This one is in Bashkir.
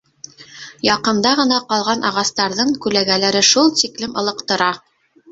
Яҡында ғына ҡалған ағастарҙың күләгәләре шул тиклем ылыҡтыра!